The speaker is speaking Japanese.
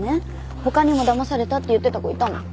他にもだまされたって言ってた子いたもん。